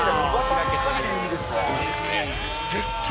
海ですね。